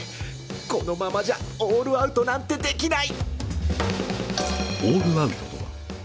このままじゃオールアウトなんてできない！